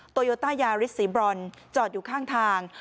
โยต้ายาริสสีบรอนจอดอยู่ข้างทาง